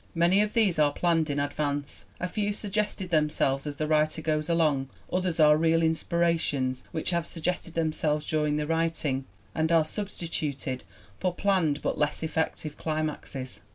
Many of these are planned in advance, a few suggest themselves as the writer goes along, others are real inspirations which have suggested themselves during the writing and are substituted for planned but less effective climaxes.